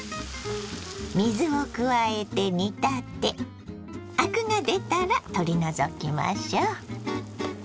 水を加えて煮立てアクが出たら取り除きましょ。